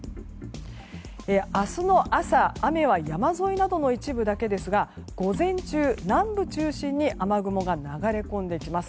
明日の朝、雨は山沿いなどの一部だけですが午前中、南部中心に雨雲が流れ込んできます。